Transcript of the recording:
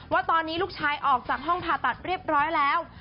ว่าตอนนี้ลูกชายออกจากห้องผ่าตัดเรียบร้อยแล้ว